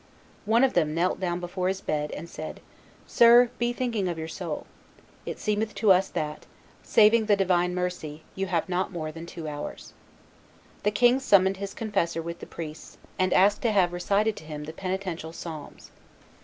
One of them knelt down before his bed and said, "Sir, be thinking of your soul; it seemeth to us that, saving the divine mercy, you have not more than two hours." The king summoned his confessor with the priests, and asked to have recited to him the penitential psalms.